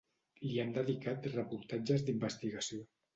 Li han dedicat reportatges d'investigació.